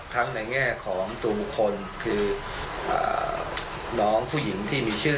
ในแง่ของตัวบุคคลคือน้องผู้หญิงที่มีชื่อ